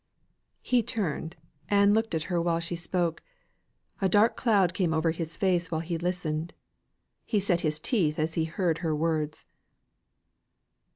He turned and looked at her while she spoke. A dark cloud came over his face while he listened. He set his teeth as he heard her words.